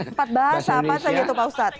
empat bahasa apa saja tuh pak ustadz